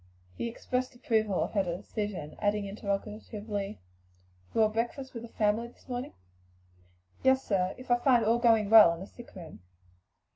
He expressed approval of her decision, adding interrogatively, "You will breakfast with the family this morning?" "Yes, sir; if I find all going well in the sick room."